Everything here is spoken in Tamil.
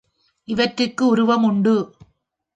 இவற்றுக்கு உருவம் உண்டு.